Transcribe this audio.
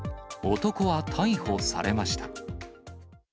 男は逮捕されました。